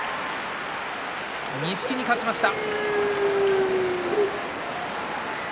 錦木が勝ちました。